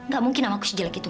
gak mungkin nama aku sejelak itu